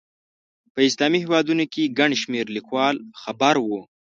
په اسلامي هېوادونو کې ګڼ شمېر لیکوال خبر وو.